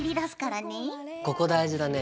ここ大事だね。